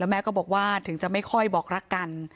แม่ก็บอกว่าถึงจะไม่ค่อยบอกรักกัน